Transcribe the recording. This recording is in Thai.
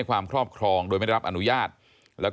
ที่มันก็มีเรื่องที่ดิน